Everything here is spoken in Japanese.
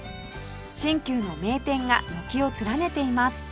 新旧の名店が軒を連ねています